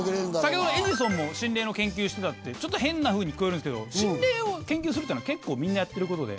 先ほどのエジソンも心霊の研究してたってちょっと変なふうに聞こえるんですけど心霊を研究するっていうのは結構みんなやってることで。